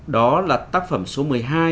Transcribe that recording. đó là tác phẩm số một mươi hai